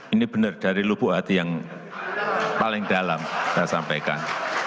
ini benar dari lubuk hati yang paling dalam saya sampaikan